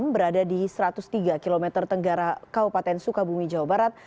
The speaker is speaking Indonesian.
berada di satu ratus tiga km tenggara kaupaten sukabumi jawa barat